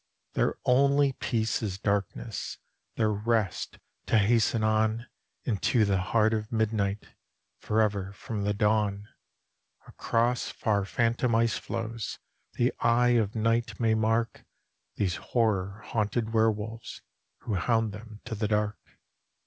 Their only peace is darkness, Their rest to hasten on Into the heart of midnight, Forever from the dawn. Across far phantom ice floes The eye of night may mark These horror haunted were wolves Who hound them to the dark.